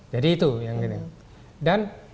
jadi itu yang ini dan